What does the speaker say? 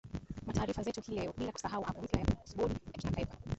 mwa taarifa zetu hii leo bila kusahau apu mpya ya kusBodi ya kimataifa